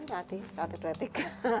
satu dua tiga